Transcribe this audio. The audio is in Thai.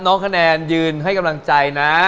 น้องคะแนนยืนให้กำลังใจนะ